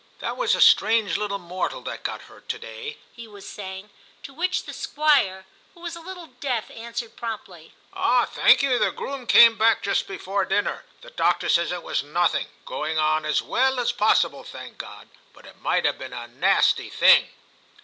* That was a strange little mortal that got hurt to day,' he was saying. To which the Squire, who was a little deaf, answered promptly, ' Ah ! thank you ; the groom came back just before dinner. The doctor says it 30 TIM CHAP. was nothing. Going on as well as possible, thank God ; but it might have been a nasty thing.'